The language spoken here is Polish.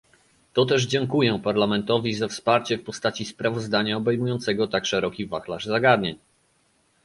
Toteż dziękuję Parlamentowi za wsparcie w postaci sprawozdania obejmującego tak szeroki wachlarz zagadnień